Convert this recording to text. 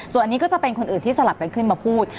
ส่วนอันนี้ก็จะเป็นคนอื่นที่สลับกันขึ้นมาพูด